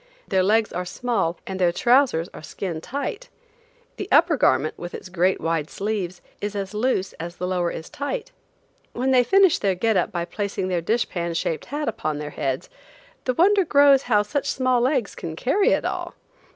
Their legs are small and their trousers are skin tight. The upper garment, with its great wide sleeves, is as loose as the lower is tight. When they finish their "get up" by placing their dish pan shaped hat upon their heads, the wonder grows how such small legs can carry it all!